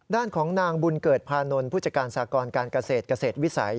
ด้านของนางบุญเกิดพานนท์ผู้จัดการสากรการเกษตรเกษตรวิสัย